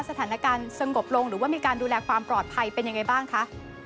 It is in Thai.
สถานการณ์สงบลงหรือว่ามีการดูแลความปลอดภัยเป็นยังไงบ้างคะ